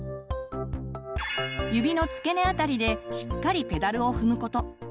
指の付け根あたりでしっかりペダルを踏むこと。